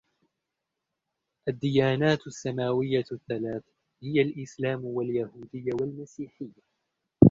الديانات السماوية الثلاث هي الإسلام واليهودية والمسيحية.